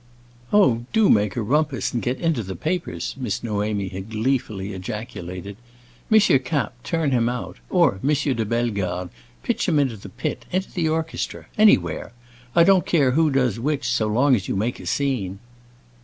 "Oh, do make a rumpus and get into the papers!" Miss Noémie had gleefully ejaculated. "M. Kapp, turn him out; or, M. de Bellegarde, pitch him into the pit, into the orchestra—anywhere! I don't care who does which, so long as you make a scene."